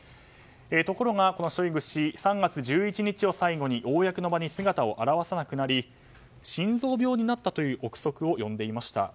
ところが、このショイグ氏３月１１日を最後に公の場に姿を現さなくなり心臓病になったという憶測を呼んでいました。